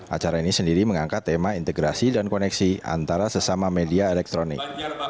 acara ini sendiri mengangkat tema integrasi dan koneksi antara sesama media elektronik